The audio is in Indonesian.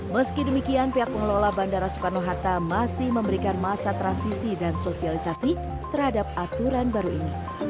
meski demikian pihak pengelola bandara soekarno hatta masih memberikan masa transisi dan sosialisasi terhadap aturan baru ini